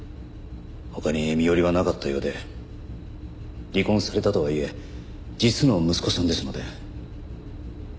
他に身寄りはなかったようで離婚されたとはいえ実の息子さんですので。